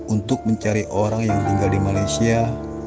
untuk mencari orang yang tinggal di malaysia